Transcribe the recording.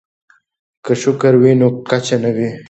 که شکر وي نو کچه نه وي.